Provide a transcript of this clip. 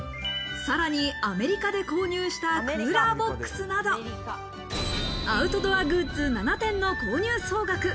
さらにアメリカで購入したクーラーボックスなど、アウトドアグッズ７点の購入総額